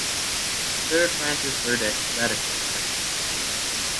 Sir Francis Burdett (Radical) seconded.